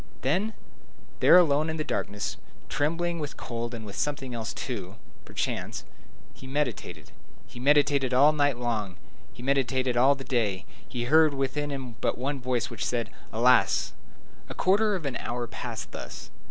Then, there alone in the darkness, trembling with cold and with something else, too, perchance, he meditated. He had meditated all night long; he had meditated all the day: he heard within him but one voice, which said, "Alas!" A quarter of an hour passed thus.